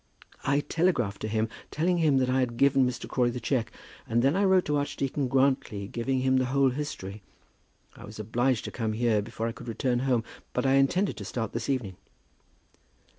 "I telegraphed to him, telling him that I had given Mr. Crawley the cheque, and then I wrote to Archdeacon Grantly giving him the whole history. I was obliged to come here before I could return home, but I intended to start this evening."